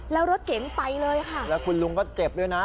แล้วรถเก๋งไปเลยค่ะแล้วคุณลุงก็เจ็บด้วยนะ